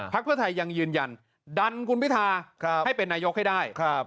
เพื่อไทยยังยืนยันดันคุณพิทาให้เป็นนายกให้ได้